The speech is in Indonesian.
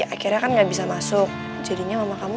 akhirnya kan nggak bisa masuk jadinya mama kamu